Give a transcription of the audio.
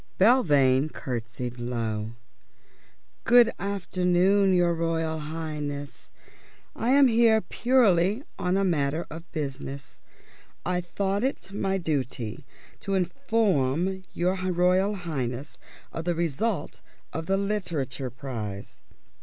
Belvane curtsied low. "Good afternoon, your Royal Highness. I am here purely on a matter of business. I thought it my duty to inform your Royal Highness of the result of the Literature prize."